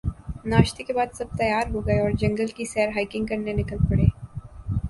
ناشتے کے بعد سب تیار ہو گئے اور جنگل کی سیر ہائیکنگ کرنے نکل پڑے